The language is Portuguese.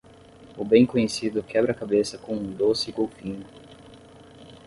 O bem conhecido quebra-cabeça com um doce golfinho.